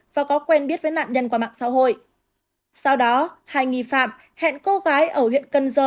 và có quen biết với nạn nhân qua mạng xã hội sau đó hai nghi phạm hẹn cô gái ở huyện cần giờ